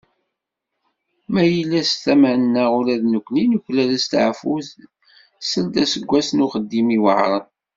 Ma yella seg tama-nneɣ, ula d nekni nuklal asteεfu seld aseggas n uxeddim iweεṛen.